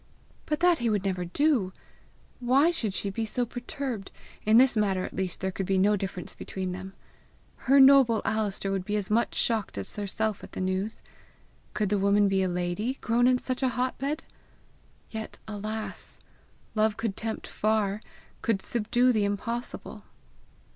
But that he would never do! Why should she be so perturbed! in this matter at least there could be no difference between them! Her noble Alister would be as much shocked as herself at the news! Could the woman be a lady, grown on such a hot bed! Yet, alas! love could tempt far could subdue the impossible!